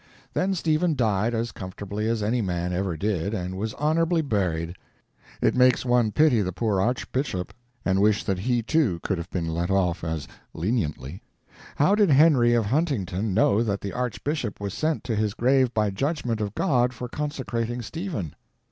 Then Stephen died as comfortably as any man ever did, and was honorably buried. It makes one pity the poor Archbishop, and wish that he, too, could have been let off as leniently. How did Henry of Huntington know that the Archbishop was sent to his grave by judgment of God for consecrating Stephen?